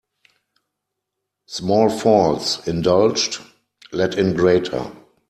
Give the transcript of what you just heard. Small faults indulged let in greater.